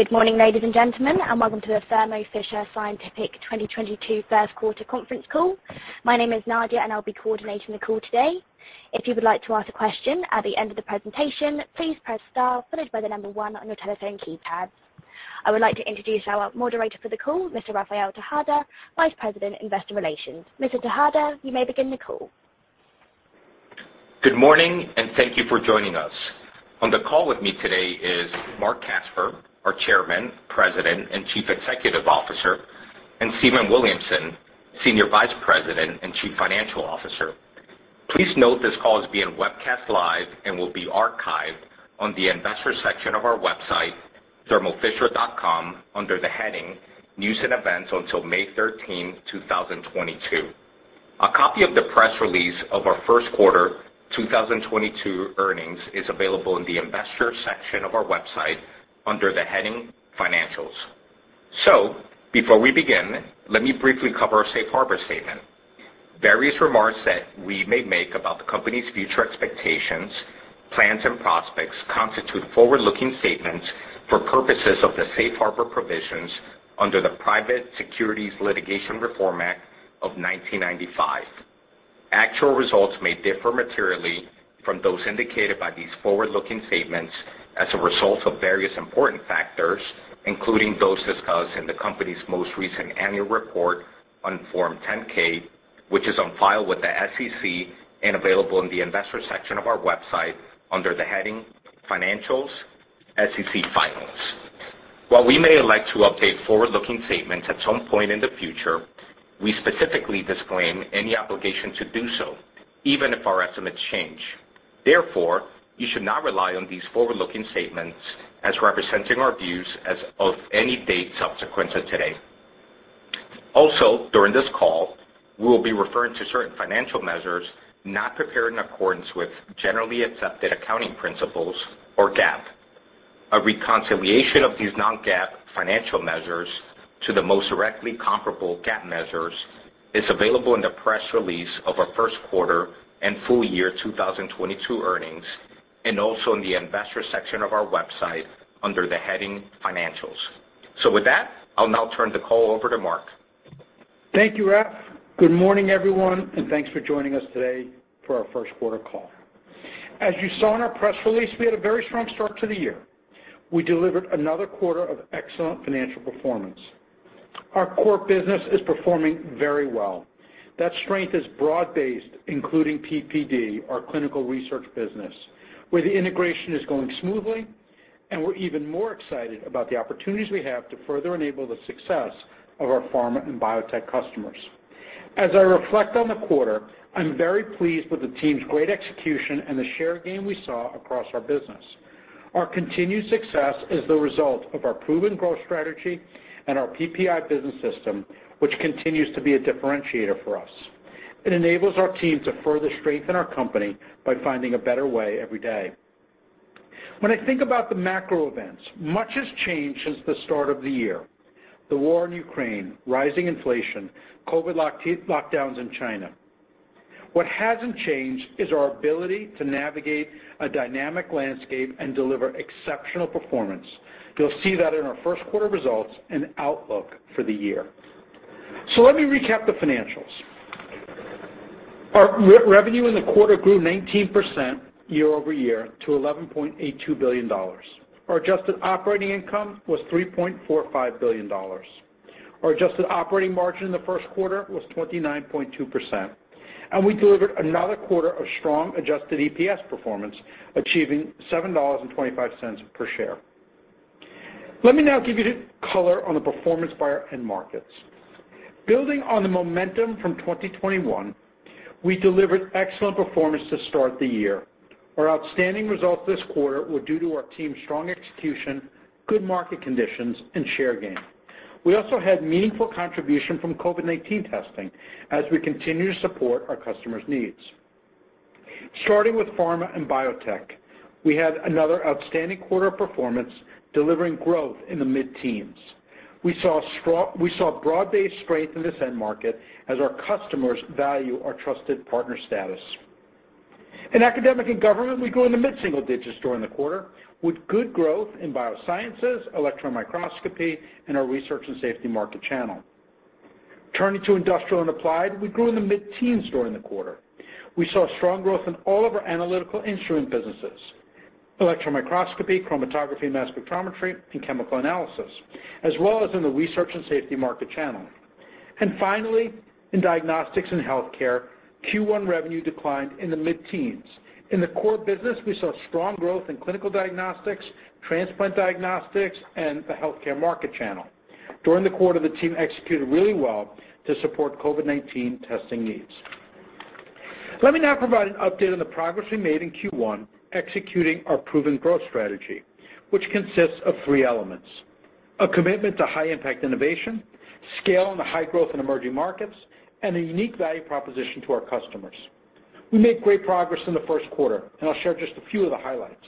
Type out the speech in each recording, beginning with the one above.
Good morning, ladies and gentlemen, and welcome to the Thermo Fisher Scientific 2022 first quarter conference call. My name is Nadia, and I'll be coordinating the call today. If you would like to ask a question at the end of the presentation, please press star followed by the number one on your telephone keypad. I would like to introduce our moderator for the call, Mr. Rafael Tejada, Vice President, Investor Relations. Mr. Tejada, you may begin the call. Good morning, and thank you for joining us. On the call with me today is Marc Casper, our Chairman, President, and Chief Executive Officer, and Stephen Williamson, Senior Vice President and Chief Financial Officer. Please note this call is being webcast live and will be archived on the investor section of our website, thermofisher.com, under the heading News & Events until May 13, 2022. A copy of the press release of our first quarter 2022 earnings is available in the investor section of our website under the heading Financials. Before we begin, let me briefly cover our safe harbor statement. Various remarks that we may make about the company's future expectations, plans, and prospects constitute forward-looking statements for purposes of the Safe Harbor Provisions under the Private Securities Litigation Reform Act of 1995. Actual results may differ materially from those indicated by these forward-looking statements as a result of various important factors, including those discussed in the company's most recent annual report on Form 10-K, which is on file with the SEC and available in the investor section of our website under the heading Financials & SEC Filings. While we may elect to update forward-looking statements at some point in the future, we specifically disclaim any obligation to do so even if our estimates change. Therefore, you should not rely on these forward-looking statements as representing our views as of any date subsequent to today. Also, during this call, we will be referring to certain financial measures not prepared in accordance with generally accepted accounting principles or GAAP. A reconciliation of these non-GAAP financial measures to the most directly comparable GAAP measures is available in the press release of our first quarter and full year 2022 earnings, and also in the investor section of our website under the heading Financials. With that, I'll now turn the call over to Marc. Thank you, Rafael. Good morning, everyone, and thanks for joining us today for our first quarter call. As you saw in our press release, we had a very strong start to the year. We delivered another quarter of excellent financial performance. Our core business is performing very well. That strength is broad-based, including PPD, our clinical research business, where the integration is going smoothly, and we're even more excited about the opportunities we have to further enable the success of our pharma and biotech customers. As I reflect on the quarter, I'm very pleased with the team's great execution and the share gain we saw across our business. Our continued success is the result of our proven growth strategy and our PPI business system, which continues to be a differentiator for us. It enables our team to further strengthen our company by finding a better way every day. When I think about the macro events, much has changed since the start of the year: the war in Ukraine, rising inflation, COVID lockdowns in China. What hasn't changed is our ability to navigate a dynamic landscape and deliver exceptional performance. You'll see that in our first quarter results and outlook for the year. Let me recap the financials. Our revenue in the quarter grew 19% year-over-year to $11.82 billion. Our adjusted operating income was $3.45 billion. Our adjusted operating margin in the first quarter was 29.2%, and we delivered another quarter of strong adjusted EPS performance, achieving $7.25 per share. Let me now give you the color on the performance by our end markets. Building on the momentum from 2021, we delivered excellent performance to start the year. Our outstanding results this quarter were due to our team's strong execution, good market conditions, and share gain. We also had meaningful contribution from COVID-19 testing as we continue to support our customers' needs. Starting with pharma and biotech, we had another outstanding quarter of performance, delivering growth in the mid-teens%. We saw broad-based strength in this end market as our customers value our trusted partner status. In academic and government, we grew in the mid-single digits% during the quarter with good growth in biosciences, electron microscopy, and our research and safety market channel. Turning to industrial and applied, we grew in the mid-teens% during the quarter. We saw strong growth in all of our analytical instrument businesses, electron microscopy, chromatography, mass spectrometry, and chemical analysis, as well as in the research and safety market channel. Finally, in diagnostics and healthcare, Q1 revenue declined in the mid-teens. In the core business, we saw strong growth in clinical diagnostics, transplant diagnostics, and the healthcare market channel. During the quarter, the team executed really well to support COVID-19 testing needs. Let me now provide an update on the progress we made in Q1 executing our proven growth strategy, which consists of three elements, a commitment to high impact innovation, scale in the high growth in emerging markets, and a unique value proposition to our customers. We made great progress in the first quarter, and I'll share just a few of the highlights.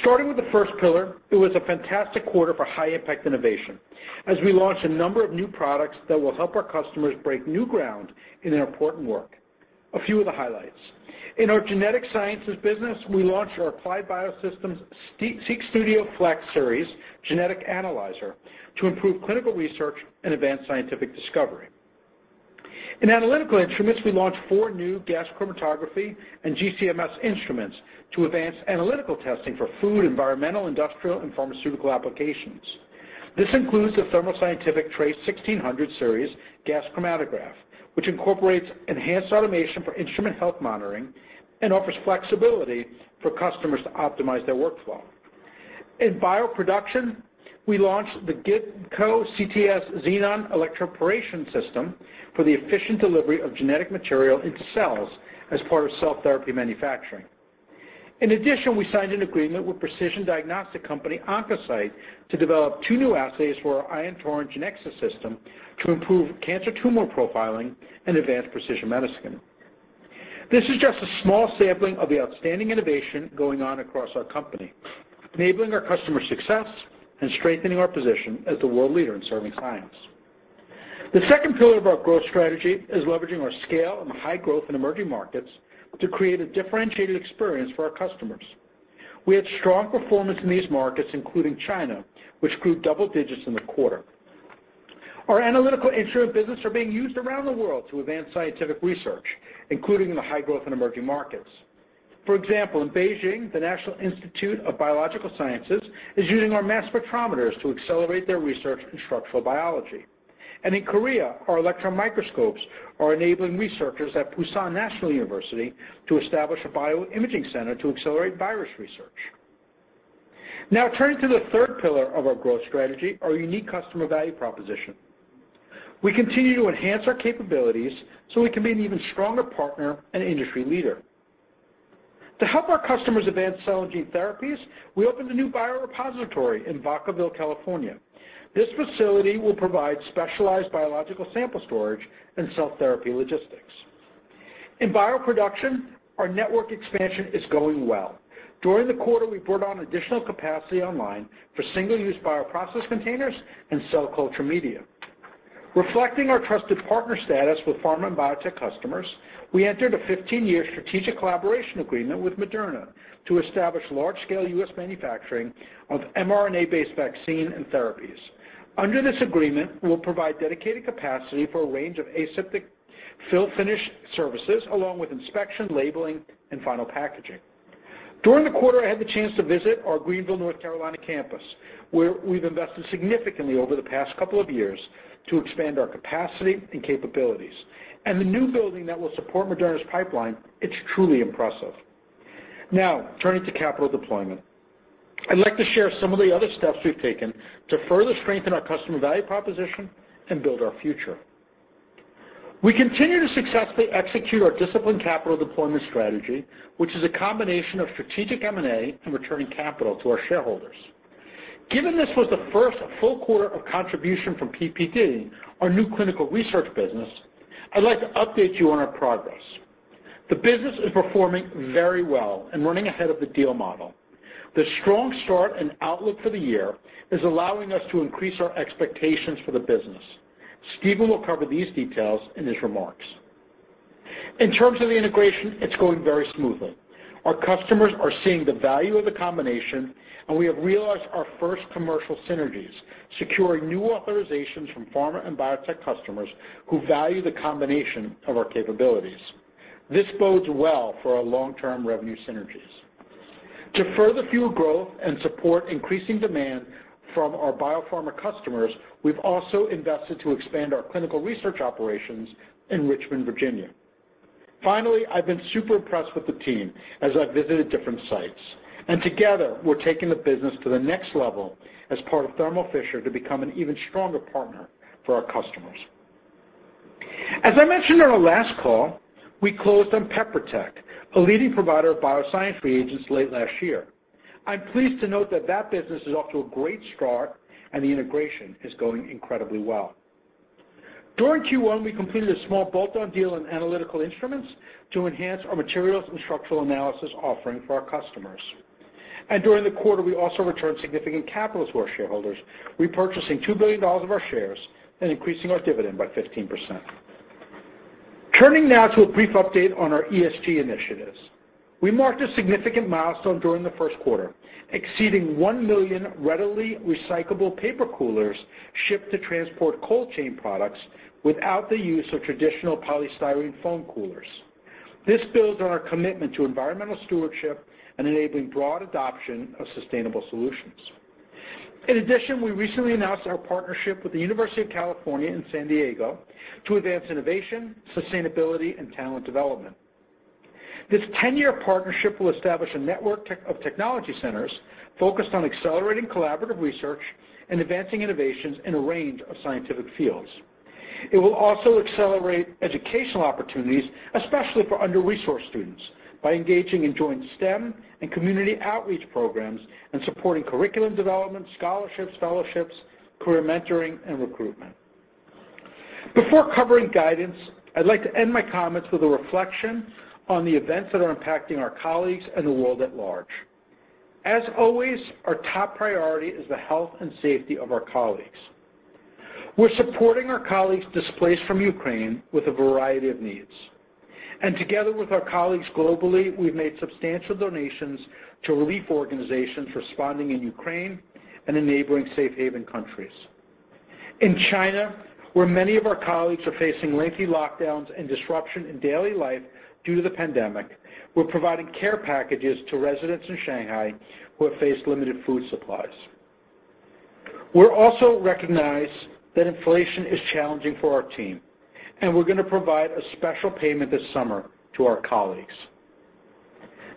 Starting with the first pillar, it was a fantastic quarter for high impact innovation as we launched a number of new products that will help our customers break new ground in their important work. A few of the highlights. In our genetic sciences business, we launched our Applied Biosystems SeqStudio Flex Series Genetic Analyzer to improve clinical research and advance scientific discovery. In analytical instruments, we launched four new gas chromatography and GCMS instruments to advance analytical testing for food, environmental, industrial, and pharmaceutical applications. This includes the Thermo Scientific TRACE 1600 series gas chromatograph, which incorporates enhanced automation for instrument health monitoring and offers flexibility for customers to optimize their workflow. In bioproduction, we launched the Gibco CTS Xenon Electroporation System for the efficient delivery of genetic material into cells as part of cell therapy manufacturing. In addition, we signed an agreement with precision diagnostic company, Oncocyte, to develop two new assays for our Ion Torrent Genexus system to improve cancer tumor profiling and advance precision medicine. This is just a small sampling of the outstanding innovation going on across our company, enabling our customer success and strengthening our position as the world leader in serving clients. The second pillar of our growth strategy is leveraging our scale and high growth in emerging markets to create a differentiated experience for our customers. We had strong performance in these markets, including China, which grew double digits in the quarter. Our Analytical Instruments business are being used around the world to advance scientific research, including in the high growth in emerging markets. For example, in Beijing, the National Institute of Biological Sciences is using our mass spectrometers to accelerate their research in structural biology. In Korea, our electron microscopes are enabling researchers at Pusan National University to establish a bio-imaging center to accelerate virus research. Now turning to the third pillar of our growth strategy, our unique customer value proposition. We continue to enhance our capabilities so we can be an even stronger partner and industry leader. To help our customers advance cell and gene therapies, we opened a new biorepository in Vacaville, California. This facility will provide specialized biological sample storage and cell therapy logistics. In bioproduction, our network expansion is going well. During the quarter, we brought on additional capacity online for single-use bioprocess containers and cell culture media. Reflecting our trusted partner status with pharma and biotech customers, we entered a 15-year strategic collaboration agreement with Moderna to establish large-scale U.S. manufacturing of mRNA-based vaccine and therapies. Under this agreement, we'll provide dedicated capacity for a range of aseptic fill finish services, along with inspection, labeling, and final packaging. During the quarter, I had the chance to visit our Greenville, North Carolina campus, where we've invested significantly over the past couple of years to expand our capacity and capabilities, and the new building that will support Moderna's pipeline. It's truly impressive. Now, turning to capital deployment. I'd like to share some of the other steps we've taken to further strengthen our customer value proposition and build our future. We continue to successfully execute our disciplined capital deployment strategy, which is a combination of strategic M&A and returning capital to our shareholders. Given this was the first full quarter of contribution from PPD, our new clinical research business, I'd like to update you on our progress. The business is performing very well and running ahead of the deal model. The strong start and outlook for the year is allowing us to increase our expectations for the business. Stephen will cover these details in his remarks. In terms of the integration, it's going very smoothly. Our customers are seeing the value of the combination, and we have realized our first commercial synergies, securing new authorizations from pharma and biotech customers who value the combination of our capabilities. This bodes well for our long-term revenue synergies. To further fuel growth and support increasing demand from our biopharma customers, we've also invested to expand our clinical research operations in Richmond, Virginia. Finally, I've been super impressed with the team as I've visited different sites, and together we're taking the business to the next level as part of Thermo Fisher to become an even stronger partner for our customers. As I mentioned on our last call, we closed on PeproTech, a leading provider of bioscience reagents late last year. I'm pleased to note that business is off to a great start and the integration is going incredibly well. During Q1, we completed a small bolt-on deal in analytical instruments to enhance our materials and structural analysis offering for our customers. During the quarter, we also returned significant capital to our shareholders, repurchasing $2 billion of our shares and increasing our dividend by 15%. Turning now to a brief update on our ESG initiatives. We marked a significant milestone during the first quarter, exceeding 1 million readily recyclable paper coolers shipped to transport cold chain products without the use of traditional polystyrene foam coolers. This builds on our commitment to environmental stewardship and enabling broad adoption of sustainable solutions. In addition, we recently announced our partnership with the University of California San Diego to advance innovation, sustainability, and talent development. This ten-year partnership will establish a network of technology centers focused on accelerating collaborative research and advancing innovations in a range of scientific fields. It will also accelerate educational opportunities, especially for under-resourced students, by engaging in joint STEM and community outreach programs and supporting curriculum development, scholarships, fellowships, career mentoring, and recruitment. Before covering guidance, I'd like to end my comments with a reflection on the events that are impacting our colleagues and the world at large. As always, our top priority is the health and safety of our colleagues. We're supporting our colleagues displaced from Ukraine with a variety of needs. Together with our colleagues globally, we've made substantial donations to relief organizations responding in Ukraine and enabling safe haven countries. In China, where many of our colleagues are facing lengthy lockdowns and disruption in daily life due to the pandemic, we're providing care packages to residents in Shanghai who have faced limited food supplies. We also recognize that inflation is challenging for our team, and we're gonna provide a special payment this summer to our colleagues.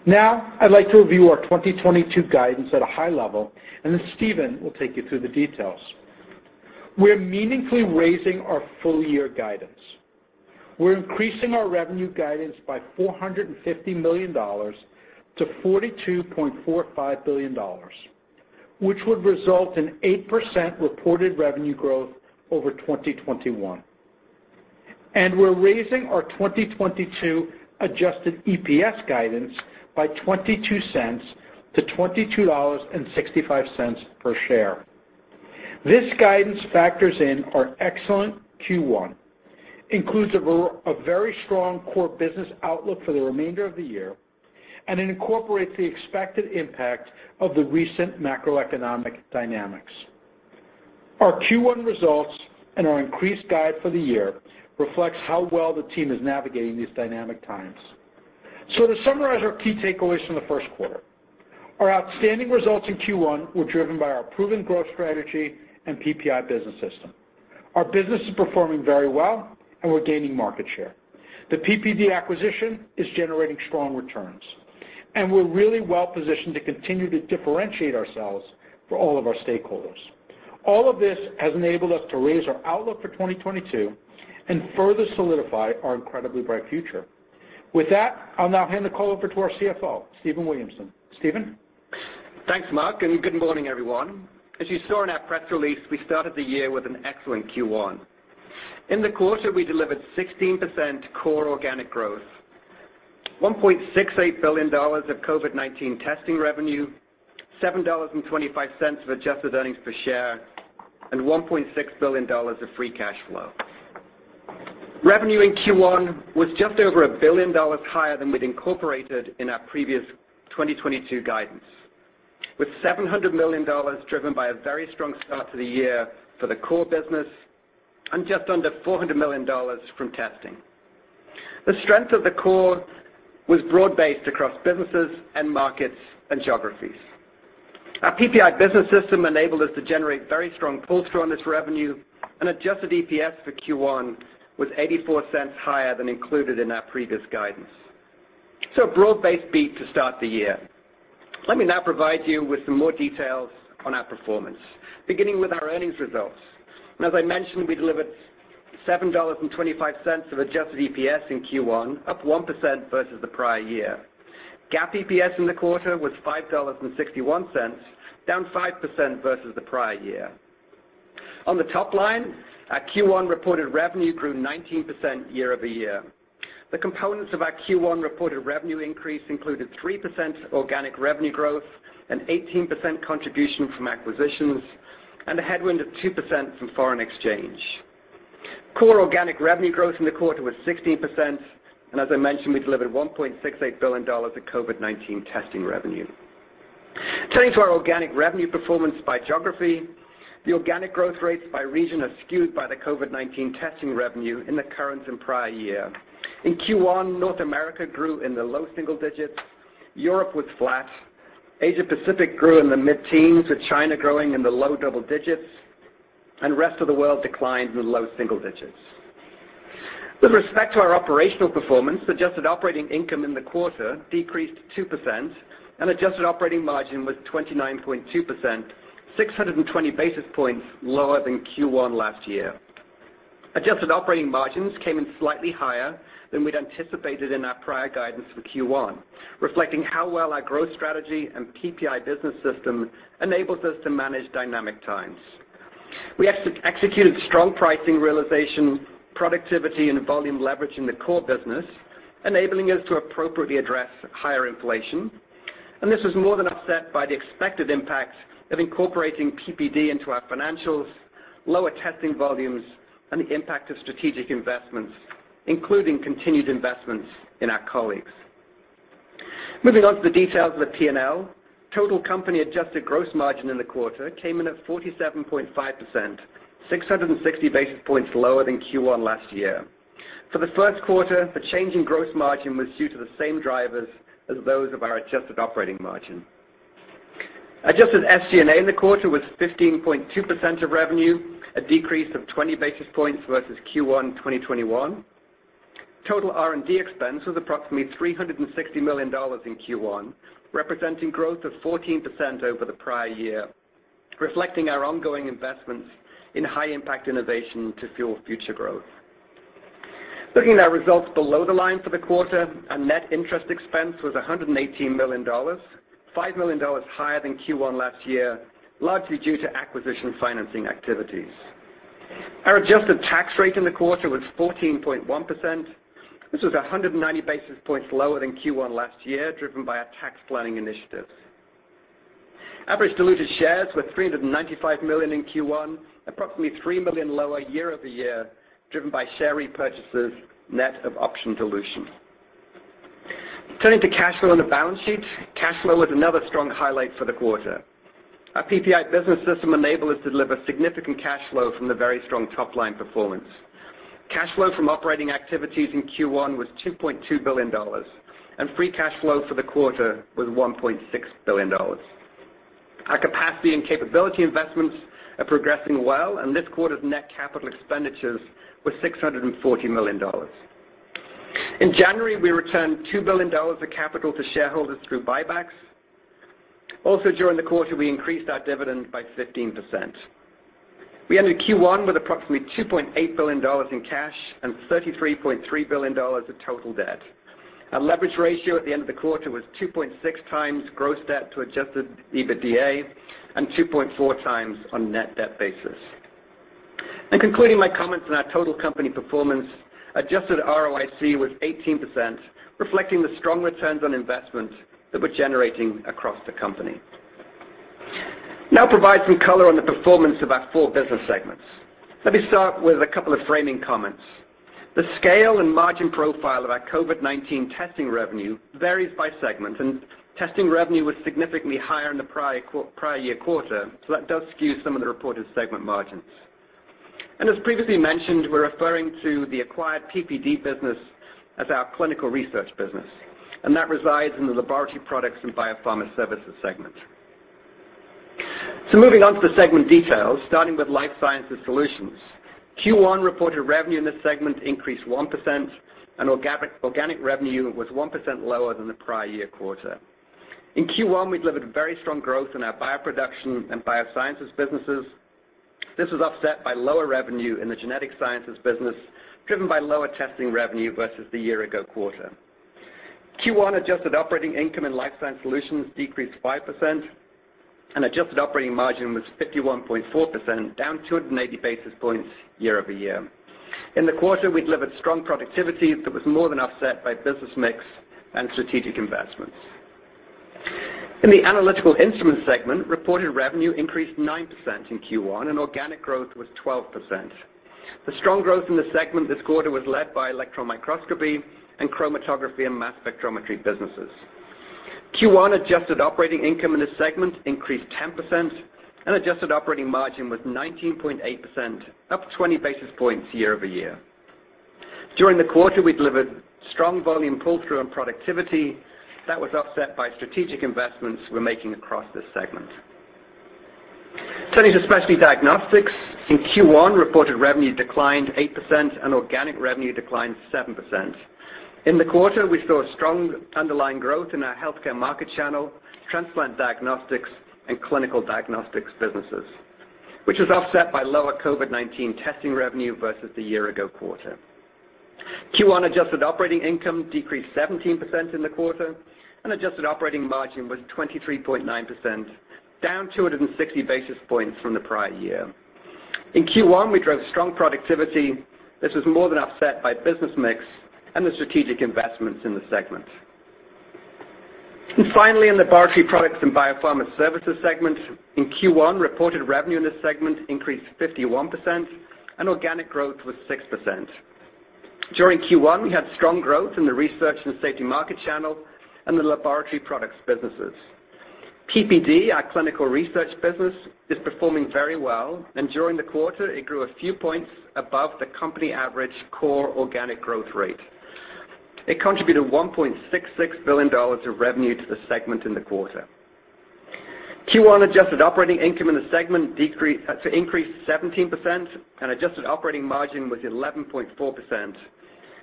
Now, I'd like to review our 2022 guidance at a high level, and then Stephen will take you through the details. We're meaningfully raising our full-year guidance. We're increasing our revenue guidance by $450 million-$42.45 billion, which would result in 8% reported revenue growth over 2021. We're raising our 2022 adjusted EPS guidance by $0.22-$22.65 per share. This guidance factors in our excellent Q1, includes a very strong core business outlook for the remainder of the year, and it incorporates the expected impact of the recent macroeconomic dynamics. Our Q1 results and our increased guide for the year reflects how well the team is navigating these dynamic times. To summarize our key takeaways from the first quarter. Our outstanding results in Q1 were driven by our proven growth strategy and PPI business system. Our business is performing very well, and we're gaining market share. The PPD acquisition is generating strong returns, and we're really well-positioned to continue to differentiate ourselves for all of our stakeholders. All of this has enabled us to raise our outlook for 2022 and further solidify our incredibly bright future. With that, I'll now hand the call over to our CFO, Stephen Williamson. Stephen? Thanks, Marc, and good morning, everyone. As you saw in our press release, we started the year with an excellent Q1. In the quarter, we delivered 16% core organic growth, $1.68 billion of COVID-19 testing revenue, $7.25 of adjusted earnings per share, and $1.6 billion of free cash flow. Revenue in Q1 was just over $1 billion higher than we'd incorporated in our previous 2022 guidance, with $700 million driven by a very strong start to the year for the core business and just under $400 million from testing. The strength of the core was broad-based across businesses and markets and geographies. Our PPI business system enabled us to generate very strong pull-through on this revenue, and adjusted EPS for Q1 was $0.84 higher than included in our previous guidance. A broad-based beat to start the year. Let me now provide you with some more details on our performance, beginning with our earnings results. As I mentioned, we delivered $7.25 of adjusted EPS in Q1, up 1% versus the prior year. GAAP EPS in the quarter was $5.61, down 5% versus the prior year. On the top line, our Q1 reported revenue grew 19% year-over-year. The components of our Q1 reported revenue increase included 3% organic revenue growth and 18% contribution from acquisitions and a headwind of 2% from foreign exchange. Core organic revenue growth in the quarter was 16%, and as I mentioned, we delivered $1.68 billion of COVID-19 testing revenue. Turning to our organic revenue performance by geography, the organic growth rates by region are skewed by the COVID-19 testing revenue in the current and prior year. In Q1, North America grew in the low single digits, Europe was flat, Asia Pacific grew in the mid-teens, with China growing in the low double digits, and rest of the world declined in the low single digits. With respect to our operational performance, adjusted operating income in the quarter decreased 2% and adjusted operating margin was 29.2%, 620 basis points lower than Q1 last year. Adjusted operating margins came in slightly higher than we'd anticipated in our prior guidance for Q1, reflecting how well our growth strategy and PPI business system enables us to manage dynamic times. We executed strong pricing realization, productivity and volume leverage in the core business, enabling us to appropriately address higher inflation. This was more than offset by the expected impact of incorporating PPD into our financials, lower testing volumes, and the impact of strategic investments, including continued investments in our colleagues. Moving on to the details of the P&L. Total company adjusted gross margin in the quarter came in at 47.5%, 660 basis points lower than Q1 last year. For the first quarter, the change in gross margin was due to the same drivers as those of our adjusted operating margin. Adjusted SG&A in the quarter was 15.2% of revenue, a decrease of 20 basis points versus Q1 2021. Total R&D expense was approximately $360 million in Q1, representing growth of 14% over the prior year, reflecting our ongoing investments in high-impact innovation to fuel future growth. Looking at our results below the line for the quarter, our net interest expense was $118 million, $5 million higher than Q1 last year, largely due to acquisition financing activities. Our adjusted tax rate in the quarter was 14.1%. This was 190 basis points lower than Q1 last year, driven by our tax planning initiatives. Average diluted shares were 395 million in Q1, approximately 3 million lower year-over-year, driven by share repurchases, net of option dilution. Turning to cash flow and the balance sheet. Cash flow was another strong highlight for the quarter. Our PPI business system enabled us to deliver significant cash flow from the very strong top-line performance. Cash flow from operating activities in Q1 was $2.2 billion, and free cash flow for the quarter was $1.6 billion. Our capacity and capability investments are progressing well, and this quarter's net capital expenditures were $640 million. In January, we returned $2 billion of capital to shareholders through buybacks. Also, during the quarter, we increased our dividend by 15%. We ended Q1 with approximately $2.8 billion in cash and $33.3 billion of total debt. Our leverage ratio at the end of the quarter was 2.6 times gross debt to adjusted EBITDA and 2.4 times on net debt basis. Concluding my comments on our total company performance, adjusted ROIC was 18%, reflecting the strong returns on investment that we're generating across the company. Now provide some color on the performance of our four business segments. Let me start with a couple of framing comments. The scale and margin profile of our COVID-19 testing revenue varies by segment, and testing revenue was significantly higher in the prior year quarter, so that does skew some of the reported segment margins. As previously mentioned, we're referring to the acquired PPD business as our clinical research business, and that resides in the laboratory products and biopharma services segment. Moving on to the segment details, starting with Life Sciences Solutions. Q1 reported revenue in this segment increased 1% and organic revenue was 1% lower than the prior year quarter. In Q1, we delivered very strong growth in our bioproduction and biosciences businesses. This was offset by lower revenue in the genetic sciences business, driven by lower testing revenue versus the year-ago quarter. Q1 adjusted operating income in Life Sciences Solutions decreased 5%, and adjusted operating margin was 51.4%, down 280 basis points year-over-year. In the quarter, we delivered strong productivity that was more than offset by business mix and strategic investments. In the Analytical Instruments segment, reported revenue increased 9% in Q1, and organic growth was 12%. The strong growth in the segment this quarter was led by electron microscopy and chromatography and mass spectrometry businesses. Q1 adjusted operating income in this segment increased 10% and adjusted operating margin was 19.8%, up 20 basis points year-over-year. During the quarter, we delivered strong volume pull-through and productivity that was offset by strategic investments we're making across this segment. Turning to Specialty Diagnostics. In Q1, reported revenue declined 8% and organic revenue declined 7%. In the quarter, we saw strong underlying growth in our healthcare market channel, transplant diagnostics, and clinical diagnostics businesses, which was offset by lower COVID-19 testing revenue versus the year-ago quarter. Q1 adjusted operating income decreased 17% in the quarter, and adjusted operating margin was 23.9%, down 260 basis points from the prior year. In Q1, we drove strong productivity. This was more than offset by business mix and the strategic investments in the segment. Finally, in Laboratory Products and Biopharma Services segment. In Q1, reported revenue in this segment increased 51% and organic growth was 6%. During Q1, we had strong growth in the research and safety market channel and the laboratory products businesses. PPD, our clinical research business, is performing very well, and during the quarter, it grew a few points above the company average core organic growth rate. It contributed $1.66 billion of revenue to the segment in the quarter. Q1 adjusted operating income in the segment increased 17% and adjusted operating margin was 11.4%,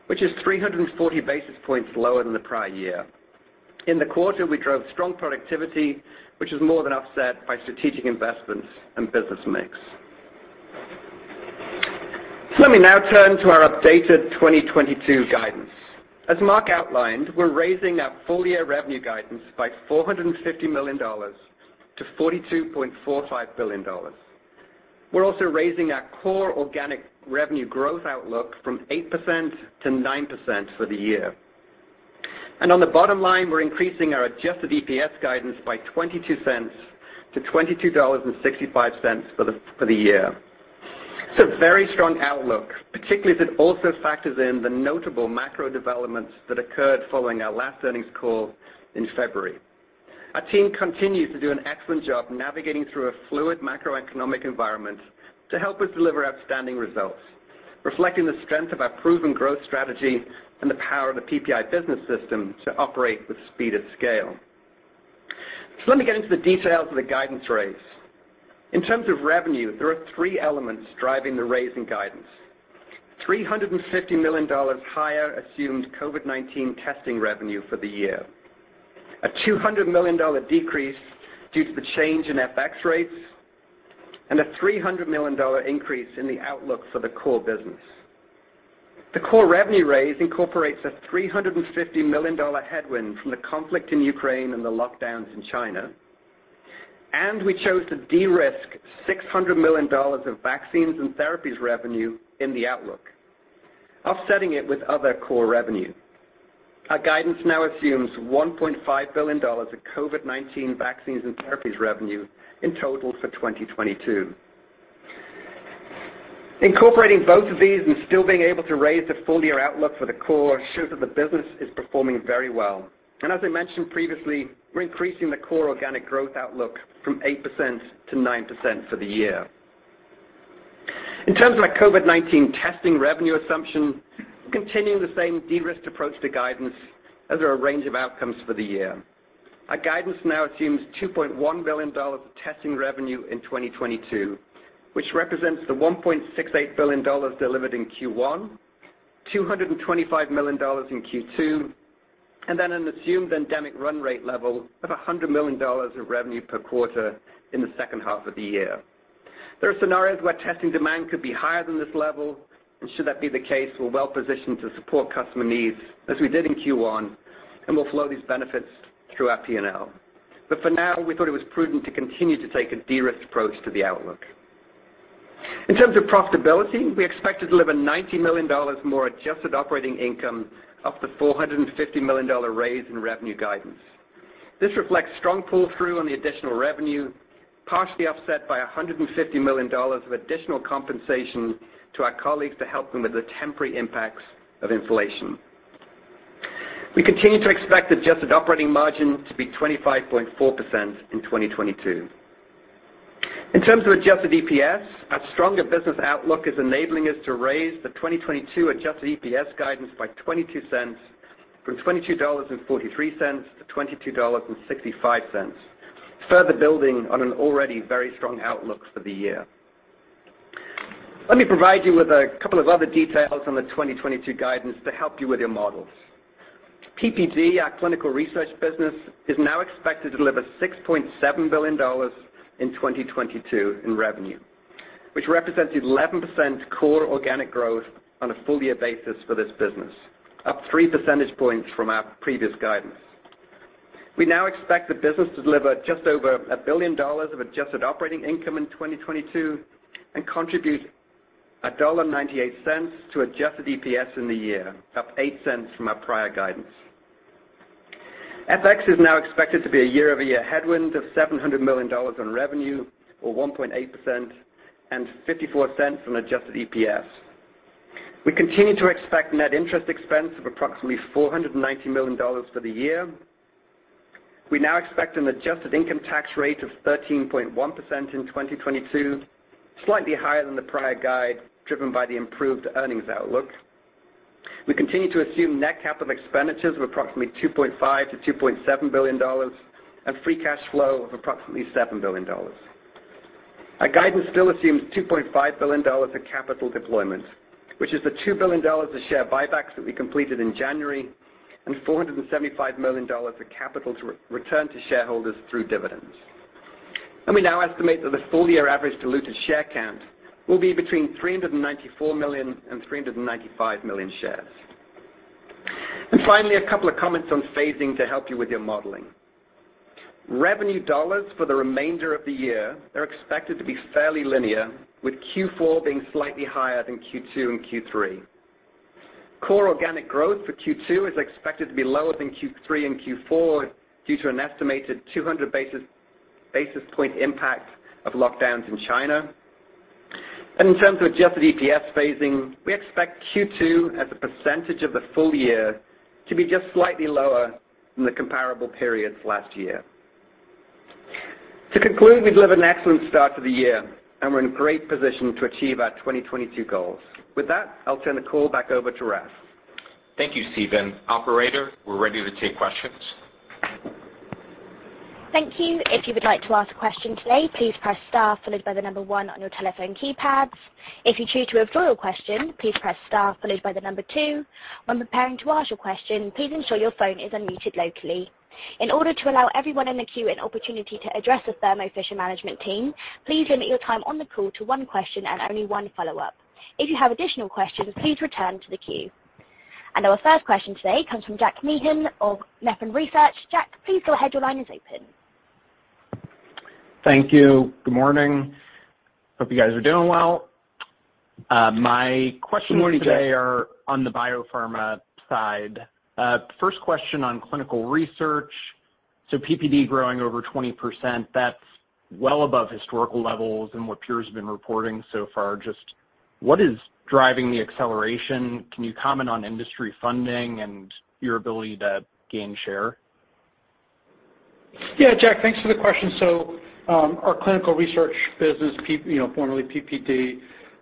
which is 340 basis points lower than the prior year. In the quarter, we drove strong productivity, which was more than offset by strategic investments and business mix. Let me now turn to our updated 2022 guidance. As Marc outlined, we're raising our full-year revenue guidance by $450 million-$42.45 billion. We're also raising our core organic revenue growth outlook from 8%-9% for the year. On the bottom line, we're increasing our adjusted EPS guidance by $0.22-$22.65 for the year. It's a very strong outlook, particularly as it also factors in the notable macro developments that occurred following our last earnings call in February. Our team continues to do an excellent job navigating through a fluid macroeconomic environment to help us deliver outstanding results, reflecting the strength of our proven growth strategy and the power of the PPI business system to operate with speed and scale. Let me get into the details of the guidance raise. In terms of revenue, there are three elements driving the raise in guidance. $350 million higher assumed COVID-19 testing revenue for the year. A $200 million decrease due to the change in FX rates, and a $300 million increase in the outlook for the core business. The core revenue raise incorporates a $350 million headwind from the conflict in Ukraine and the lockdowns in China. We chose to de-risk $600 million of vaccines and therapies revenue in the outlook, offsetting it with other core revenue. Our guidance now assumes $1.5 billion of COVID-19 vaccines and therapies revenue in total for 2022. Incorporating both of these and still being able to raise the full year outlook for the core shows that the business is performing very well. As I mentioned previously, we're increasing the core organic growth outlook from 8%- 9% for the year. In terms of our COVID-19 testing revenue assumption, continuing the same de-risked approach to guidance as there are a range of outcomes for the year. Our guidance now assumes $2.1 billion of testing revenue in 2022, which represents the $1.68 billion delivered in Q1, $225 million in Q2, and then an assumed endemic run rate level of $100 million of revenue per quarter in the second half of the year. There are scenarios where testing demand could be higher than this level, and should that be the case, we're well positioned to support customer needs as we did in Q1, and we'll flow these benefits through our P&L. For now, we thought it was prudent to continue to take a de-risked approach to the outlook. In terms of profitability, we expect to deliver $90 million more adjusted operating income, up to $450 million-dollar raise in revenue guidance. This reflects strong pull-through on the additional revenue, partially offset by $150 million of additional compensation to our colleagues to help them with the temporary impacts of inflation. We continue to expect adjusted operating margin to be 25.4% in 2022. In terms of adjusted EPS, our stronger business outlook is enabling us to raise the 2022 adjusted EPS guidance by 22 cents from $22.43-$22.65, further building on an already very strong outlook for the year. Let me provide you with a couple of other details on the 2022 guidance to help you with your models. PPD, our clinical research business, is now expected to deliver $6.7 billion in 2022 in revenue, which represents 11% core organic growth on a full year basis for this business, up three percentage points from our previous guidance. We now expect the business to deliver just over $1 billion of adjusted operating income in 2022 and contribute $1.98 to adjusted EPS in the year, up 8 cents from our prior guidance. FX is now expected to be a year-over-year headwind of $700 million in revenue, or 1.8%, and 54 cents in adjusted EPS. We continue to expect net interest expense of approximately $490 million for the year. We now expect an adjusted income tax rate of 13.1% in 2022, slightly higher than the prior guide, driven by the improved earnings outlook. We continue to assume net capital expenditures of approximately $2.5 billion-$2.7 billion and free cash flow of approximately $7 billion. Our guidance still assumes $2.5 billion of capital deployment, which is the $2 billion of share buybacks that we completed in January and $475 million of capital to return to shareholders through dividends. We now estimate that the full year average diluted share count will be between 394 million and 395 million shares. Finally, a couple of comments on phasing to help you with your modeling. Revenue dollars for the remainder of the year are expected to be fairly linear, with Q4 being slightly higher than Q2 and Q3. Core organic growth for Q2 is expected to be lower than Q3 and Q4 due to an estimated 200 basis points impact of lockdowns in China. In terms of adjusted EPS phasing, we expect Q2 as a percentage of the full year to be just slightly lower than the comparable periods last year. To conclude, we've delivered an excellent start to the year and we're in great position to achieve our 2022 goals. With that, I'll turn the call back over to Raf. Thank you, Stephen. Operator, we're ready to take questions. Thank you. If you would like to ask a question today, please press star followed by the number one on your telephone keypad. If you choose to withdraw your question, please press star followed by the number two. When preparing to ask your question, please ensure your phone is unmuted locally. In order to allow everyone in the queue an opportunity to address the Thermo Fisher management team, please limit your time on the call to one question and only one follow-up. If you have additional questions, please return to the queue. Our first question today comes from Jack Meehan of Nephron Research. Jack, please go ahead. Your line is open. Good morning, Good morning Jack. My questions today are on the biopharma side. First question on clinical research. PPD growing over 20%, that's well above historical levels and what peers have been reporting so far. Just what is driving the acceleration? Can you comment on industry funding and your ability to gain share? Yeah, Jack, thanks for the question. Our clinical research business, formerly PPD,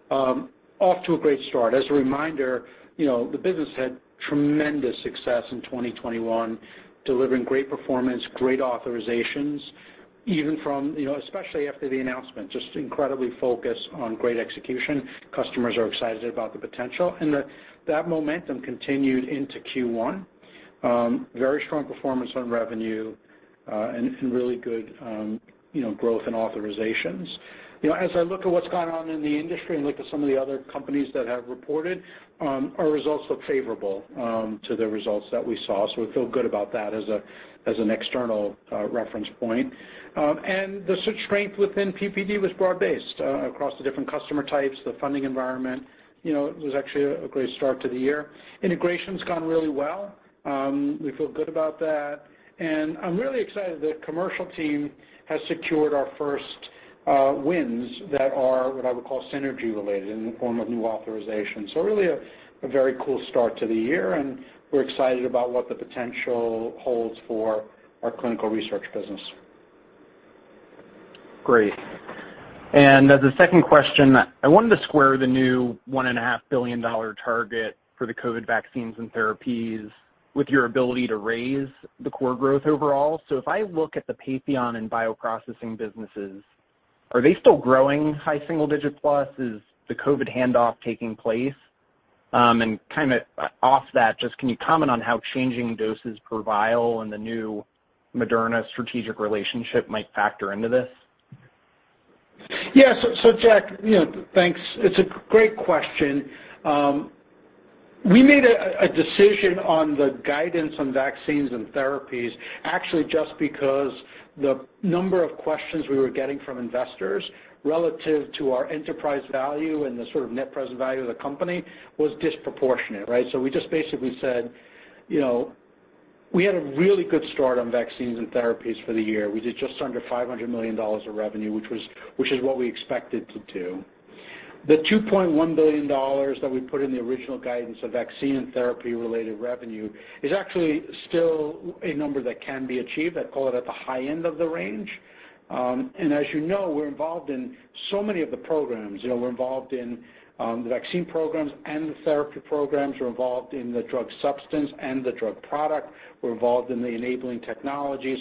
off to a great start. As a reminder, you know, the business had tremendous success in 2021, delivering great performance, great authorizations, even from, you know, especially after the announcement, just incredibly focused on great execution. Customers are excited about the potential, and that momentum continued into Q1. Very strong performance on revenue, and some really good, you know, growth and authorizations. You know, as I look at what's gone on in the industry and look at some of the other companies that have reported, our results look favorable, to the results that we saw. We feel good about that as an external reference point. The strength within PPD was broad-based, across the different customer types, the funding environment. You know, it was actually a great start to the year. Integration's gone really well. We feel good about that. I'm really excited the commercial team has secured our first wins that are what I would call synergy related in the form of new authorizations. Really a very cool start to the year, and we're excited about what the potential holds for our clinical research business. Great. As a second question, I wanted to square the new $1.5 billion target for the COVID vaccines and therapies with your ability to raise the core growth overall. So if I look at the Patheon and bioprocessing businesses, are they still growing high single digit plus? Is the COVID handoff taking place? Kind of off that, just can you comment on how changing doses per vial and the new Moderna strategic relationship might factor into this? Yeah. Jack, you know, thanks. It's a great question. We made a decision on the guidance on vaccines and therapies, actually, just because the number of questions we were getting from investors relative to our enterprise value and the sort of net present value of the company was disproportionate, right? We just basically said, you know, we had a really good start on vaccines and therapies for the year. We did just under $500 million of revenue, which is what we expected to do. The $2.1 billion that we put in the original guidance of vaccine and therapy-related revenue is actually still a number that can be achieved. I'd call it at the high end of the range. And as you know, we're involved in so many of the programs. You know, we're involved in the vaccine programs and the therapy programs. We're involved in the drug substance and the drug product. We're involved in the enabling technology.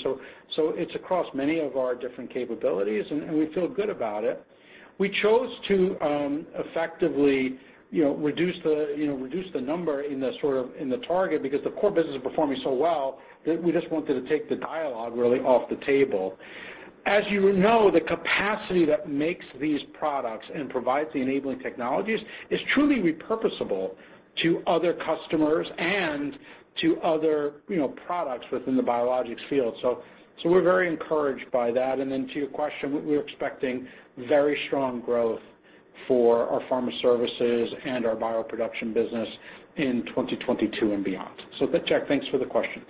It's across many of our different capabilities, and we feel good about it. We chose to effectively, you know, reduce the number in the target because the core business is performing so well that we just wanted to take the dialogue really off the table. As you know, the capacity that makes these products and provides the enabling technologies is truly repurposable to other customers and to other, you know, products within the biologics field. We're very encouraged by that. Then to your question, we're expecting very strong growth for our pharma services and our bioproduction business in 2022 and beyond. With that, Jack, thanks for the questions.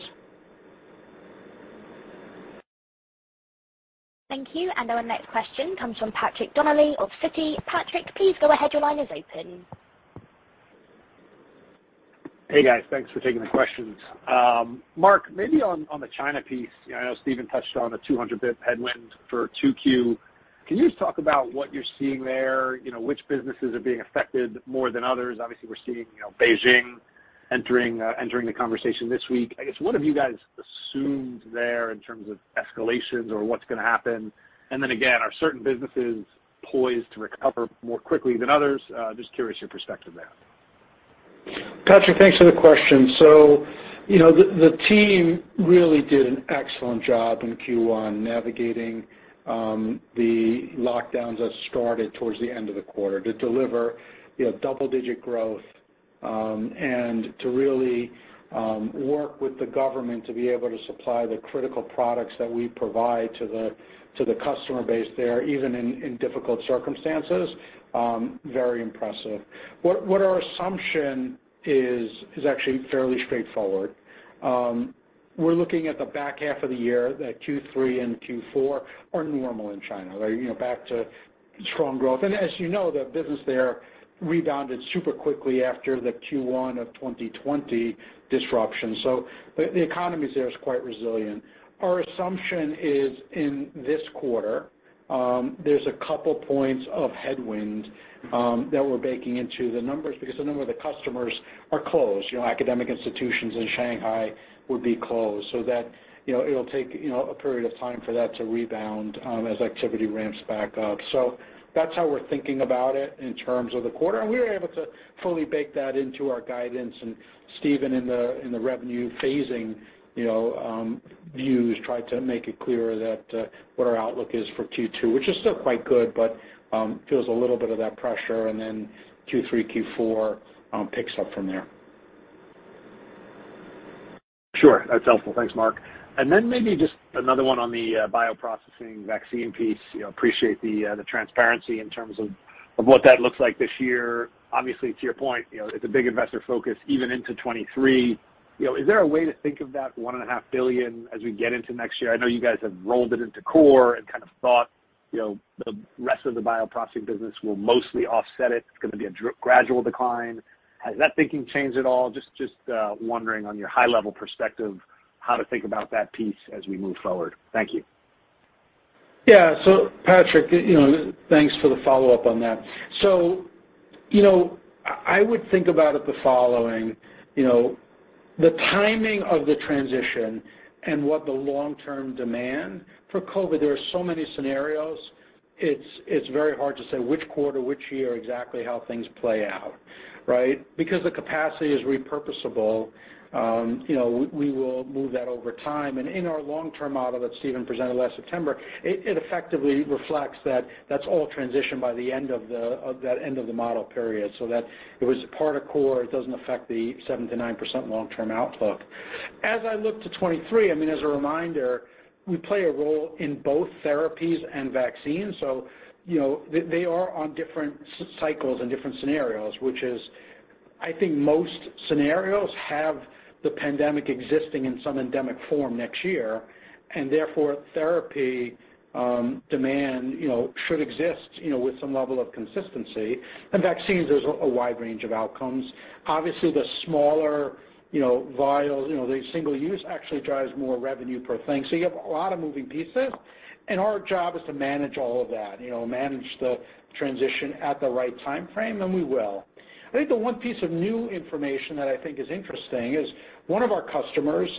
Thank you. Our next question comes from Patrick Donnelly of Citi. Patrick, please go ahead. Your line is open. Hey, guys. Thanks for taking the questions. Marc, maybe on the China piece, you know, I know Stephen touched on the 200 basis point headwind for 2Q. Can you just talk about what you're seeing there? You know, which businesses are being affected more than others? Obviously, we're seeing, you know, Beijing entering the conversation this week. I guess, what have you guys assumed there in terms of escalations or what's gonna happen? Then again, are certain businesses poised to recover more quickly than others? Just curious your perspective there. Patrick, thanks for the question. The team really did an excellent job in Q1 navigating the lockdowns that started towards the end of the quarter to deliver double-digit growth and to really work with the government to be able to supply the critical products that we provide to the customer base there, even in difficult circumstances, very impressive. What our assumption is is actually fairly straightforward. We're looking at the back half of the year that Q3 and Q4 are normal in China. They're back to strong growth. As you know, the business there rebounded super quickly after the Q1 of 2020 disruption. The economy there is quite resilient. Our assumption is in this quarter, there's a couple points of headwind that we're baking into the numbers because a number of the customers are closed. You know, academic institutions in Shanghai would be closed. That, you know, it'll take, you know, a period of time for that to rebound, as activity ramps back up. That's how we're thinking about it in terms of the quarter. We were able to fully bake that into our guidance. Stephen, in the revenue phasing, you know, we tried to make it clear that what our outlook is for Q2, which is still quite good, but feels a little bit of that pressure. Q3, Q4 picks up from there. Sure. That's helpful. Thanks, Marc. Maybe just another one on the bioprocessing vaccine piece. You know, I appreciate the transparency in terms of what that looks like this year. Obviously, to your point, you know, it's a big investor focus even into 2023. You know, is there a way to think of that $1.5 billion as we get into next year? I know you guys have rolled it into core and kind of thought, you know, the rest of the bioprocessing business will mostly offset it. It's gonna be a gradual decline. Has that thinking changed at all? Just wondering on your high-level perspective how to think about that piece as we move forward. Thank you. Yeah. Patrick, you know, thanks for the follow-up on that. You know, I would think about it the following, you know, the timing of the transition and what the long-term demand for COVID. There are so many scenarios. It's very hard to say which quarter, which year exactly how things play out, right? Because the capacity is repurposable, you know, we will move that over time. In our long-term model that Stephen presented last September, it effectively reflects that that's all transitioned by the end of that end of the model period. That it was part of core. It doesn't affect the 7%-9% long-term outlook. As I look to 2023, I mean, as a reminder, we play a role in both therapies and vaccines. They are on different cycles and different scenarios, which is, I think most scenarios have the pandemic existing in some endemic form next year, and therefore therapy demand, you know, should exist, you know, with some level of consistency. In vaccines there's a wide range of outcomes. Obviously, the smaller, you know, vials, you know, the single use actually drives more revenue per thing. You have a lot of moving pieces, and our job is to manage all of that, you know, manage the transition at the right timeframe, and we will. I think the one piece of new information that I think is interesting is one of our customers,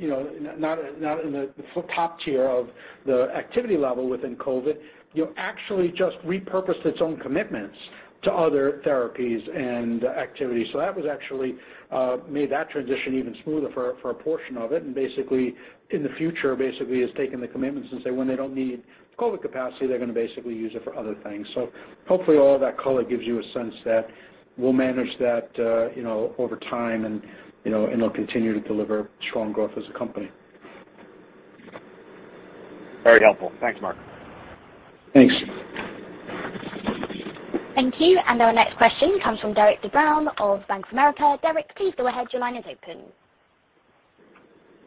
you know, not in the top tier of the activity level within COVID, you know, actually just repurposed its own commitments to other therapies and activities. That was actually made that transition even smoother for a portion of it, and basically, in the future, basically has taken the commitments and, say, when they don't need COVID capacity, they're gonna basically use it for other things. Hopefully all of that color gives you a sense that we'll manage that, you know, over time and, you know, and it'll continue to deliver strong growth as a company. Very helpful. Thanks, Marc. Thanks. Thank you. Our next question comes from Derik De Bruin of Bank of America. Derik, please go ahead. Your line is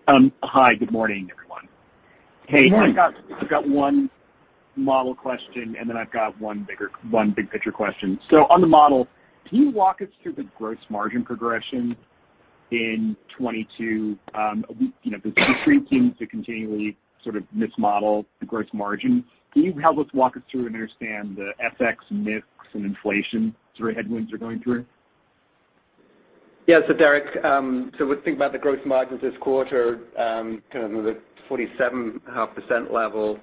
open. Hi. Good morning, everyone. Good morning. Hey, I've got one model question, and then I've got one big picture question. On the model, can you walk us through the gross margin progression in 2022? You know, the street seems to continually sort of mismodel the gross margin. Can you help us walk us through and understand the FX mix and inflation sort of headwinds you're going through? Derik, when you think about the gross margins this quarter, kind of the 47.5% level,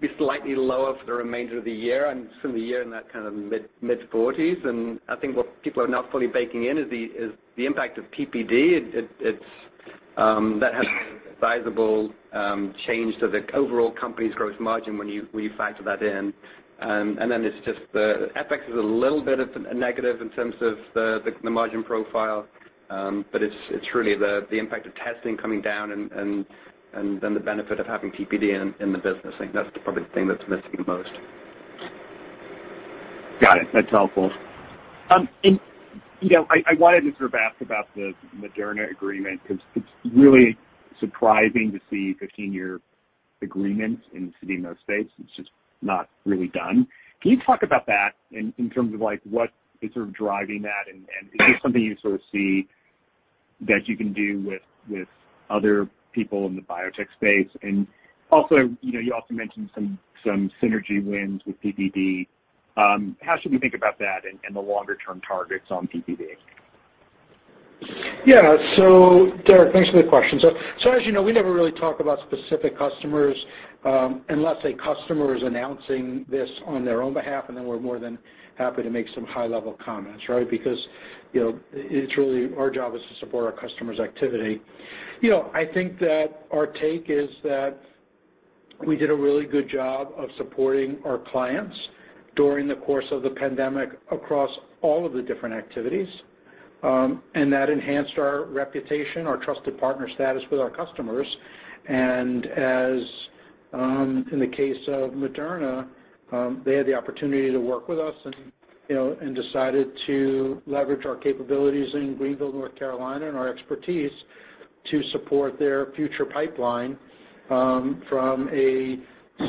be slightly lower for the remainder of the year and some of the year in that kind of mid-40s. I think what people are not fully baking in is the impact of PPD. It has a sizable change to the overall company's gross margin when you factor that in. Then it's just the FX is a little bit of a negative in terms of the margin profile, but it's really the impact of testing coming down and then the benefit of having PPD in the business. I think that's probably the thing that's missing the most. Got it. That's helpful. And you know, I wanted to sort of ask about the Moderna agreement because it's really surprising to see 15-year agreements in CDMO space. It's just not really done. Can you talk about that in terms of like what is sort of driving that and is this something you sort of see that you can do with other people in the biotech space? And also, you know, you also mentioned some synergy wins with PPD. How should we think about that and the longer-term targets on PPD? Yeah. Derek, thanks for the question. As you know, we never really talk about specific customers, unless a customer is announcing this on their own behalf, and then we're more than happy to make some high-level comments, right? Because, you know, it's really our job is to support our customers' activity. You know, I think that our take is that we did a really good job of supporting our clients during the course of the pandemic across all of the different activities, and that enhanced our reputation, our trusted partner status with our customers. As in the case of Moderna, they had the opportunity to work with us and, you know, and decided to leverage our capabilities in Greenville, North Carolina, and our expertise to support their future pipeline, from a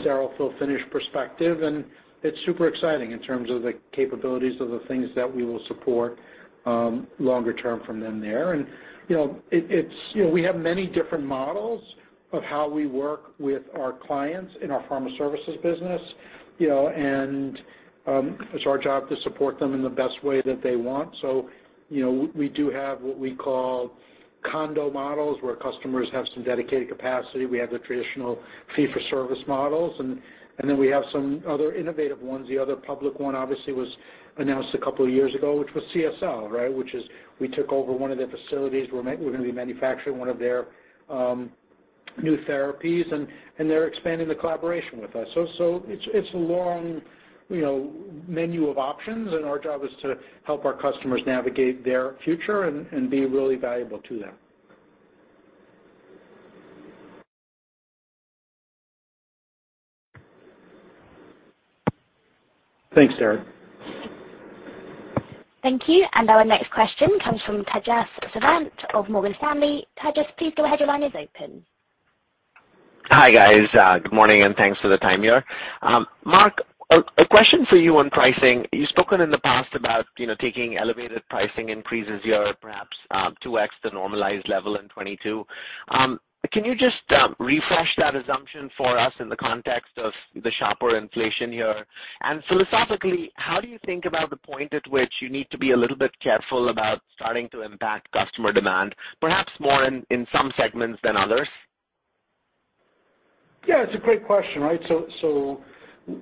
sterile fill finish perspective. It's super exciting in terms of the capabilities of the things that we will support longer term from them there. You know, it's you know, we have many different models of how we work with our clients in our pharma services business, you know, and it's our job to support them in the best way that they want. You know, we do have what we call condo models where customers have some dedicated capacity. We have the traditional fee-for-service models and then we have some other innovative ones. The other public one obviously was announced a couple of years ago, which was CSL, right? Which is we took over one of their facilities. We're gonna be manufacturing one of their new therapies and they're expanding the collaboration with us. It's a long, you know, menu of options, and our job is to help our customers navigate their future and be really valuable to them. Thanks, Derik. Thank you. Our next question comes from Tejas Savant of Morgan Stanley. Tejas, please go ahead. Your line is open. Hi, guys. Good morning, and thanks for the time here. Marc, a question for you on pricing. You've spoken in the past about, you know, taking elevated pricing increases here, perhaps, 2x to normalized level in 2022. Can you just refresh that assumption for us in the context of the sharper inflation here? Philosophically, how do you think about the point at which you need to be a little bit careful about starting to impact customer demand, perhaps more in some segments than others? Yeah, it's a great question, right?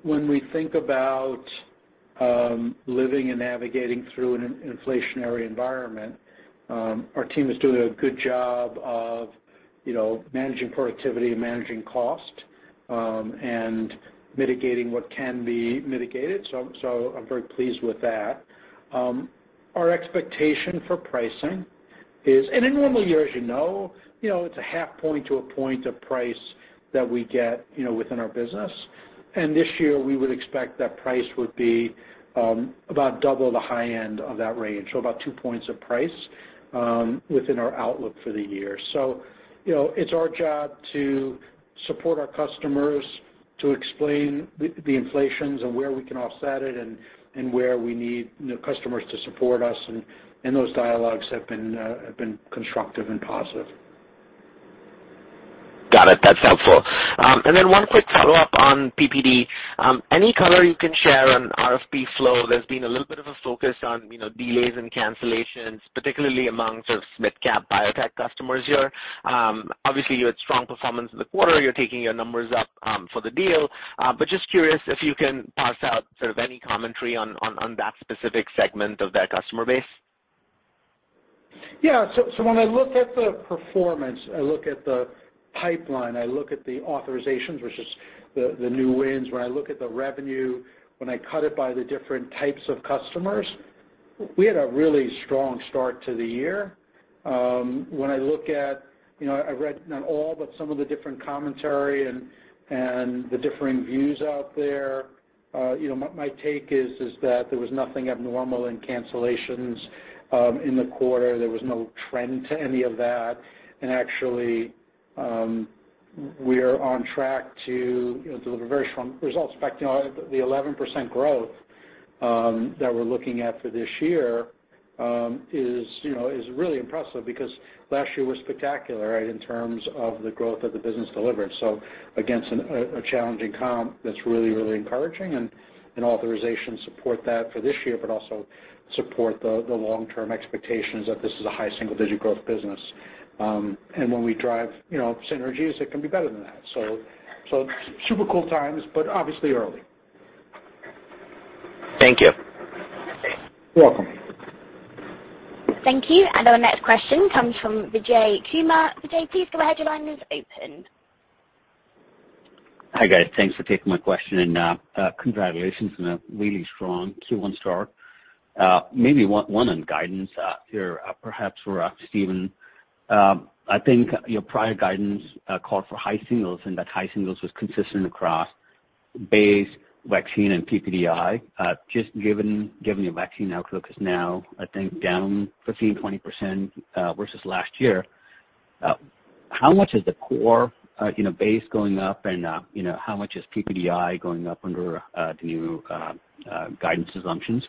When we think about living and navigating through an inflationary environment, our team is doing a good job of, you know, managing productivity and managing costs, and mitigating what can be mitigated. I'm very pleased with that. Our expectation for pricing is, and in normal years, you know, it's 0.5-1 point of price that we get, you know, within our business. This year, we would expect that price would be about double the high end of that range, so about two points of price within our outlook for the year. You know, it's our job to support our customers to explain the inflations and where we can offset it and where we need, you know, customers to support us, and those dialogues have been constructive and positive. Got it. That's helpful. Then one quick follow-up on PPD. Any color you can share on RFP flow? There's been a little bit of a focus on, you know, delays and cancellations, particularly among those mid-cap biotech customers here. Obviously, you had strong performance in the quarter. You're taking your numbers up for the deal. Just curious if you can parse out sort of any commentary on that specific segment of that customer base. Yeah. When I look at the performance, I look at the pipeline, I look at the authorizations versus the new wins. When I look at the revenue, when I cut it by the different types of customers, we had a really strong start to the year. When I look at, you know, I read not all, but some of the different commentary and the differing views out there, you know, my take is that there was nothing abnormal in cancellations in the quarter. There was no trend to any of that. Actually, we are on track to, you know, deliver very strong results. In fact, you know, the 11% growth that we're looking at for this year is you know really impressive because last year was spectacular, right, in terms of the growth that the business delivered. Against a challenging comp that's really really encouraging and it supports that for this year, but also supports the long-term expectations that this is a high single-digit growth business. When we drive you know synergies, it can be better than that. Super cool times, but obviously early. Thank you. You're welcome. Thank you. Our next question comes from Vijay Kumar. Vijay, please go ahead. Your line is open. Hi, guys. Thanks for taking my question, and congratulations on a really strong Q1 start. Maybe one on guidance here, perhaps for Stephen. I think your prior guidance called for high singles, and that high singles was consistent across base, vaccine and PPD. Just given your vaccine outlook is now, I think, down 15%-20% versus last year, how much is the core, you know, base going up and, you know, how much is PPD going up under the new guidance assumptions?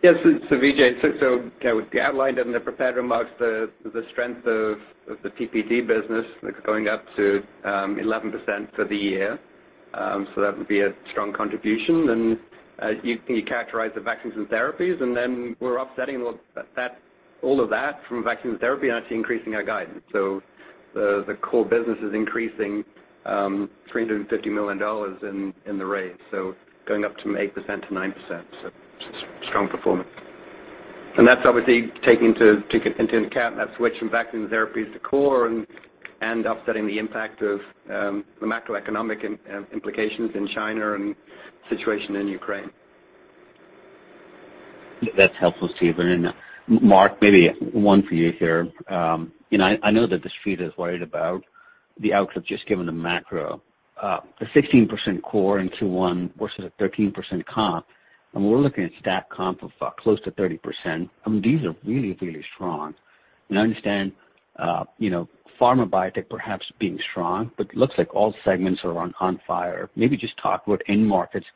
Yes. Vijay, yeah, we outlined in the prepared remarks the strength of the PPD business that's going up to 11% for the year. That would be a strong contribution. You characterize the vaccines and therapies, and then we're offsetting all that from vaccine therapy and actually increasing our guidance. The core business is increasing $350 million in the rate, so going up from 8%-9%. Strong performance. That's obviously taking into account that switch from vaccine therapies to core and offsetting the impact of the macroeconomic implications in China and situation in Ukraine. That's helpful, Stephen. Marc, maybe one for you here. You know, I know that the street is worried about the outlook just given the macro, the 16% core in Q1 versus a 13% comp. We're looking at stack comp of close to 30%. I mean, these are really, really strong. I understand, you know, pharma biotech perhaps being strong, but looks like all segments are on fire. Maybe just talk about end markets,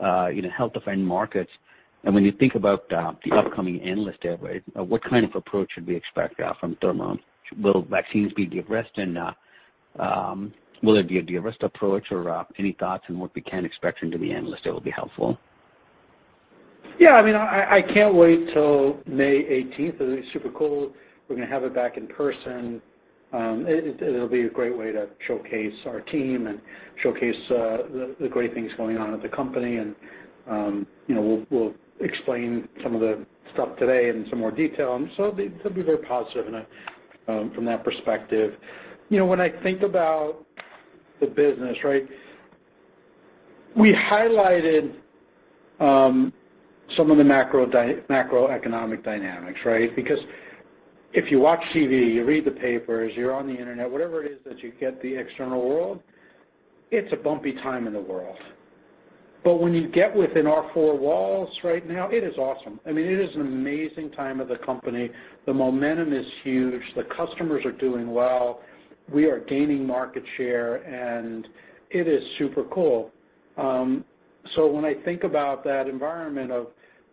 you know, health of end markets. When you think about the upcoming Analyst Day, right, what kind of approach should we expect from Thermo? Will vaccines be de-risked? Will it be a de-risk approach? Or any thoughts on what we can expect into the Analyst Day will be helpful. Yeah. I mean, I can't wait till May eighteenth. It'll be super cool. We're gonna have it back in person. It'll be a great way to showcase our team and showcase the great things going on at the company. You know, we'll explain some of the stuff today in some more detail. It'll be very positive from that perspective. You know, when I think about the business, right, we highlighted some of the macroeconomic dynamics, right? Because if you watch TV, you read the papers, you're on the internet, whatever it is that you get the external world, it's a bumpy time in the world. When you get within our four walls right now, it is awesome. I mean, it is an amazing time of the company. The momentum is huge. The customers are doing well. We are gaining market share, and it is super cool. When I think about that environment of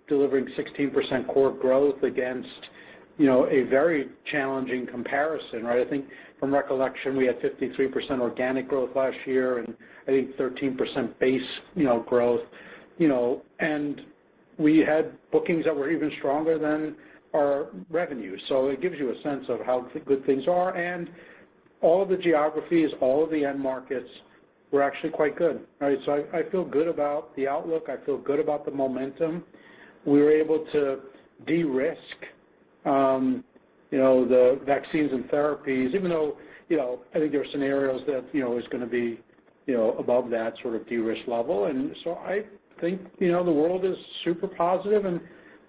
delivering 16% core growth against, you know, a very challenging comparison, right? I think from recollection, we had 53% organic growth last year and I think 13% base, you know, growth, you know, and we had bookings that were even stronger than our revenue. It gives you a sense of how good things are. All of the geographies, all of the end markets were actually quite good, right? I feel good about the outlook. I feel good about the momentum. We were able to de-risk, you know, the vaccines and therapies, even though, you know, I think there are scenarios that, you know, is gonna be, you know, above that sort of de-risk level. I think, you know, the world is super positive.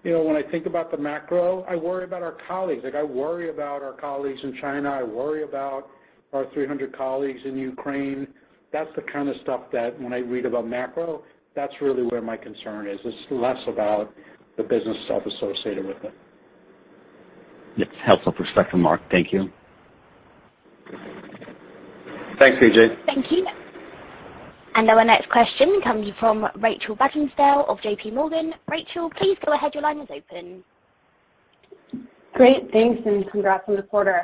You know, when I think about the macro, I worry about our colleagues. Like, I worry about our colleagues in China. I worry about our 300 colleagues in Ukraine. That's the kind of stuff that when I read about macro, that's really where my concern is. It's less about the business itself associated with it. It's helpful perspective, Marc. Thank you. Thanks, Vijay. Thank you. Our next question comes from Rachel Vatnsdal of JPMorgan. Rachel, please go ahead. Your line is open. Great. Thanks, and congrats on the quarter.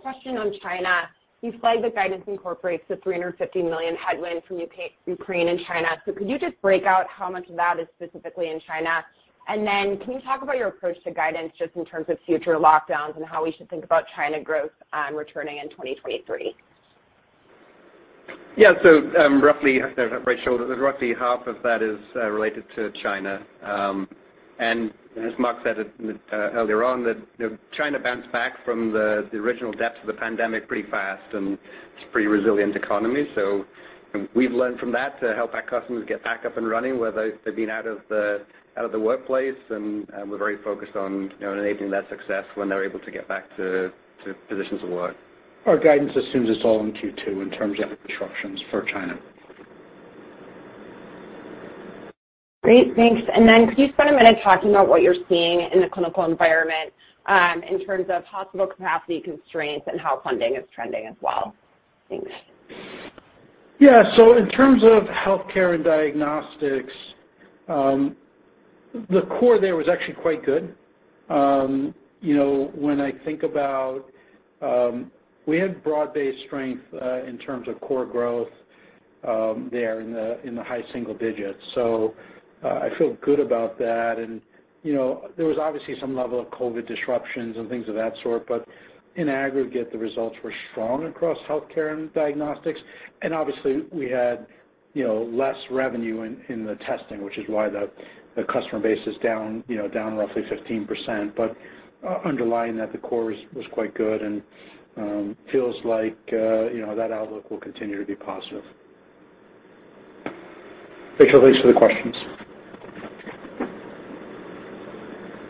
Question on China, you flagged the guidance incorporates the $350 million headwind from Ukraine and China. Could you just break out how much of that is specifically in China? And then can you talk about your approach to guidance just in terms of future lockdowns and how we should think about China growth returning in 2023? Yeah. Roughly, Rachel, roughly half of that is related to China. As Marc said it earlier on that, you know, China bounced back from the original depths of the pandemic pretty fast, and it's pretty resilient economy. We've learned from that to help our customers get back up and running, whether they've been out of the workplace, and we're very focused on, you know, enabling that success when they're able to get back to positions of work. Our guidance assumes it's all in Q2 in terms of disruptions for China. Great. Thanks. Could you spend a minute talking about what you're seeing in the clinical environment, in terms of hospital capacity constraints and how funding is trending as well? Thanks. Yeah. In terms of healthcare and diagnostics, the core there was actually quite good. You know, when I think about, we had broad-based strength in terms of core growth there in the high single digits. I feel good about that. You know, there was obviously some level of COVID disruptions and things of that sort, but in aggregate, the results were strong across healthcare and diagnostics. Obviously, we had, you know, less revenue in the testing, which is why the customer base is down, you know, down roughly 15%. Underlying that, the core was quite good, and feels like, you know, that outlook will continue to be positive. Rachel, thanks for the questions.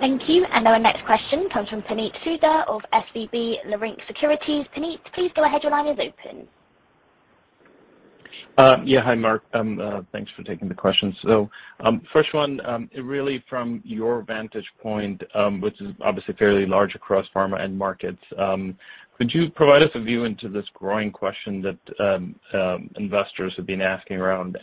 Thank you. Our next question comes from Puneet Souda of SVP Leerink Securities. Puneet, please go ahead. Your line is open. Yeah. Hi, Marc. Thanks for taking the questions. First one, really from your vantage point, which is obviously fairly large across pharma end markets, could you provide us a view into this growing question that investors have been asking around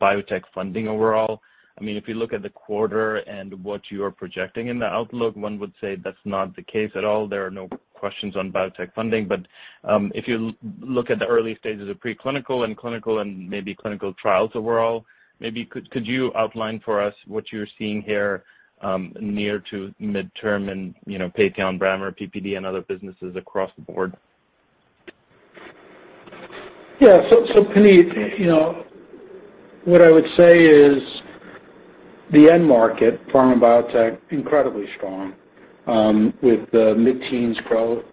biotech funding overall? I mean, if you look at the quarter and what you are projecting in the outlook, one would say that's not the case at all. There are no questions on biotech funding. If you look at the early stages of preclinical and clinical and maybe clinical trials overall, could you outline for us what you're seeing here near to midterm and, you know, Patheon, Brammer Bio, PPD, and other businesses across the board? Yeah. Puneet, you know, what I would say is the end market, pharma and biotech, incredibly strong, with the mid-teens growth,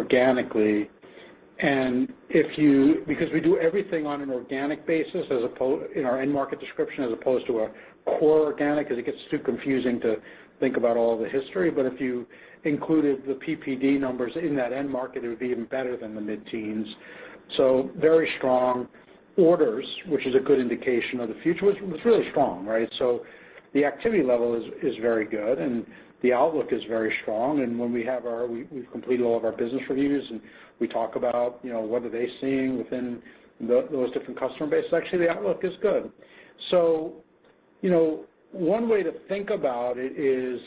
organically. Because we do everything on an organic basis in our end market description, as opposed to a core organic, because it gets too confusing to think about all the history. If you included the PPD numbers in that end market, it would be even better than the mid-teens. Very strong orders, which is a good indication of the future, was really strong, right? The activity level is very good, and the outlook is very strong. We've completed all of our business reviews, and we talk about, you know, what are they seeing within those different customer base, actually, the outlook is good. You know, one way to think about it is,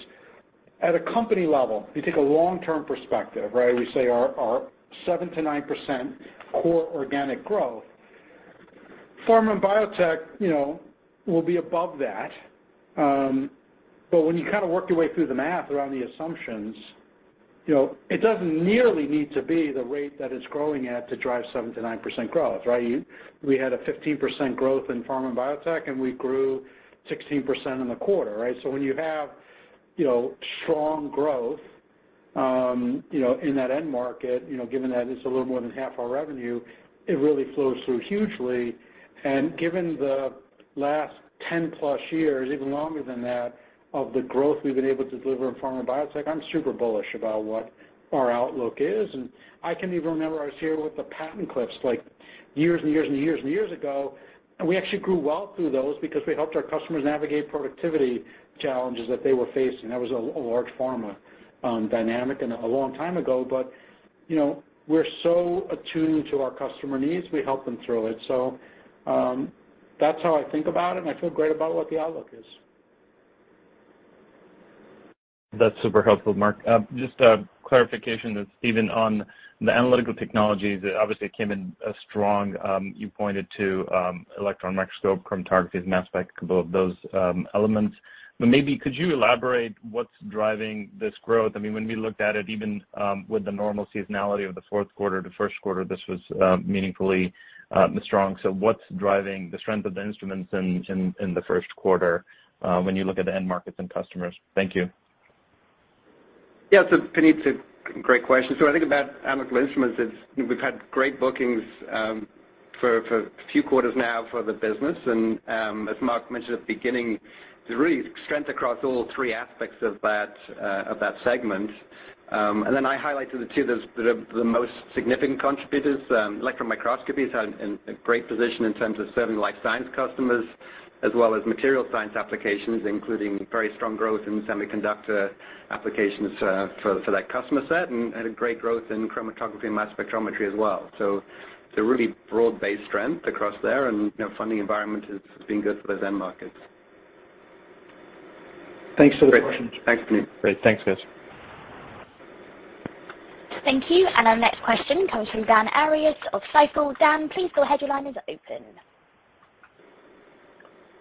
at a company level, if you take a long-term perspective, right, we say our seven to nine percent core organic growth, pharma and biotech, you know, will be above that. But when you kind of work your way through the math around the assumptions, you know, it doesn't nearly need to be the rate that it's growing at to drive 7%-9% growth, right? We had a 15% growth in pharma and biotech, and we grew 16% in the quarter, right? When you have, you know, strong growth, you know, in that end market, you know, given that it's a little more than half our revenue, it really flows through hugely. Given the last 10+ years, even longer than that, of the growth we've been able to deliver in pharma and biotech, I'm super bullish about what our outlook is. I can even remember I was here with the patent cliffs, like years and years and years and years ago, and we actually grew well through those because we helped our customers navigate productivity challenges that they were facing. That was a large pharma dynamic and a long time ago. You know, we're so attuned to our customer needs, we help them through it. That's how I think about it, and I feel great about what the outlook is. That's super helpful, Marc. Just a clarification that's even on the analytical technologies, obviously it came in strong. You pointed to electron microscope, chromatography, and mass spec, a couple of those elements. But maybe could you elaborate what's driving this growth? I mean, when we looked at it, even with the normal seasonality of the fourth quarter to first quarter, this was meaningfully strong. What's driving the strength of the instruments in the first quarter, when you look at the end markets and customers? Thank you. Yeah. Puneet, it's a great question. I think about Analytical Instruments is, you know, we've had great bookings for a few quarters now for the business. As Marc mentioned at the beginning, there's really strength across all three aspects of that segment. Then I highlighted the two that are the most significant contributors. Electron microscopy is in great position in terms of serving life science customers as well as materials science applications, including very strong growth in semiconductor applications for that customer set, and a great growth in chromatography and mass spectrometry as well. Really broad-based strength across there and, you know, funding environment has been good for the end markets. Thanks for the question. Thanks, Puneet. Great. Thanks, guys. Thank you. Our next question comes from Dan Arias of Stifel. Dan, please go ahead, your line is open.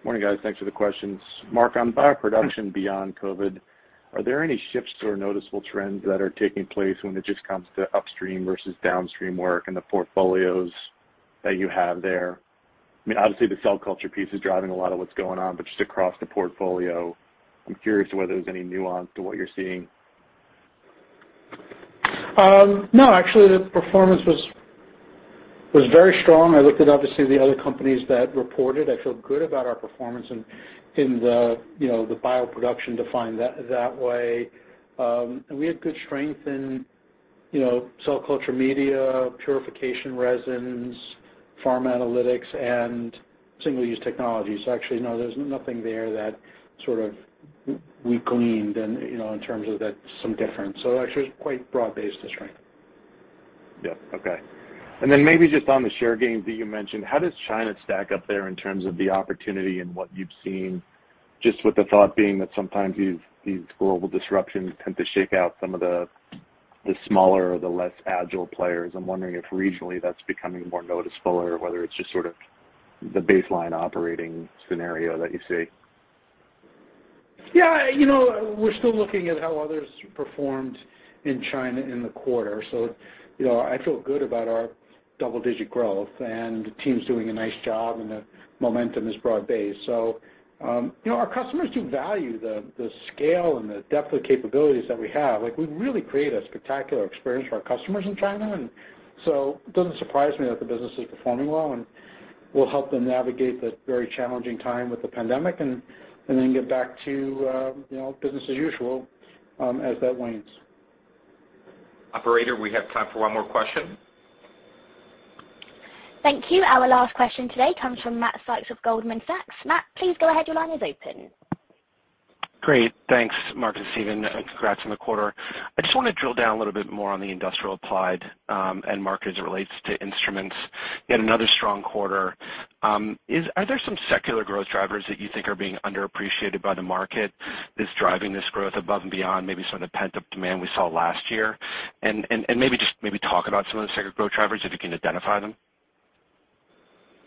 Morning, guys. Thanks for the questions. Marc, on bioproduction beyond COVID, are there any shifts or noticeable trends that are taking place when it just comes to upstream versus downstream work and the portfolios that you have there? I mean, obviously, the cell culture piece is driving a lot of what's going on, but just across the portfolio, I'm curious whether there's any nuance to what you're seeing. No, actually the performance was very strong. I looked at, obviously, the other companies that reported. I feel good about our performance in the, you know, the bioproduction defined that way. We had good strength in, you know, cell culture media, purification resins, pharma analytics, and single-use technologies. Actually, no, there's nothing there that sort of we gleaned and, you know, in terms of that some difference. Actually it's quite broad-based, the strength. Yeah. Okay. Maybe just on the share gains that you mentioned, how does China stack up there in terms of the opportunity and what you've seen, just with the thought being that sometimes these global disruptions tend to shake out some of the smaller or the less agile players. I'm wondering if regionally that's becoming more noticeable or whether it's just sort of the baseline operating scenario that you see. Yeah. You know, we're still looking at how others performed in China in the quarter. You know, I feel good about our double-digit growth, and the team's doing a nice job, and the momentum is broad-based. You know, our customers do value the scale and the depth of capabilities that we have. Like, we've really created a spectacular experience for our customers in China. It doesn't surprise me that the business is performing well, and we'll help them navigate the very challenging time with the pandemic and then get back to you know, business as usual, as that wanes. Operator, we have time for one more question. Thank you. Our last question today comes from Matt Sykes of Goldman Sachs. Matt, please go ahead. Your line is open. Great. Thanks, Marc and Stephen, and congrats on the quarter. I just wanna drill down a little bit more on the industrial applied end market as it relates to instruments. Yet another strong quarter. Are there some secular growth drivers that you think are being underappreciated by the market that's driving this growth above and beyond maybe some of the pent-up demand we saw last year? Maybe talk about some of the secular growth drivers, if you can identify them.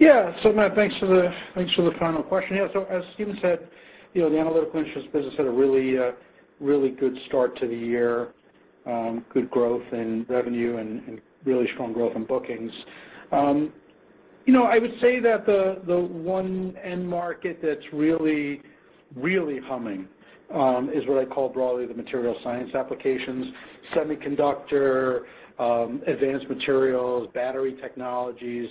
Yeah, Matt, thanks for the final question. Yeah, as Stephen said, you know, the Analytical Instruments business had a really good start to the year, good growth in revenue and really strong growth in bookings. You know, I would say that the one end market that's really humming is what I call broadly the materials science applications, semiconductor, advanced materials, battery technologies,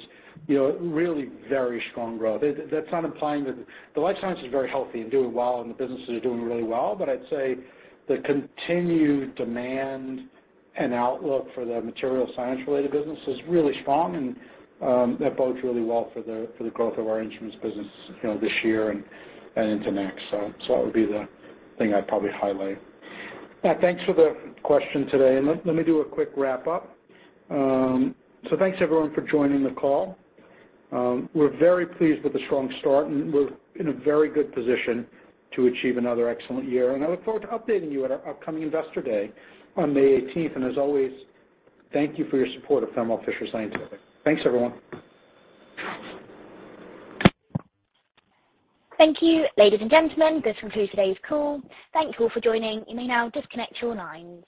you know, really very strong growth. That's not implying that the Life Sciences is very healthy and doing well, and the businesses are doing really well, but I'd say the continued demand and outlook for the materials science-related business is really strong, and that bodes really well for the growth of our instruments business, you know, this year and into next. That would be the thing I'd probably highlight. Matt, thanks for the question today. Let me do a quick wrap-up. Thanks, everyone, for joining the call. We're very pleased with the strong start, and we're in a very good position to achieve another excellent year. I look forward to updating you at our upcoming Investor Day on May eighteenth. As always, thank you for your support of Thermo Fisher Scientific. Thanks, everyone. Thank you. Ladies and gentlemen, this concludes today's call. Thank you all for joining. You may now disconnect your lines.